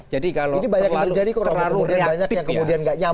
jadi kalau terlalu reaktif ya